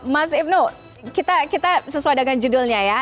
mas ibnu kita sesuai dengan judulnya ya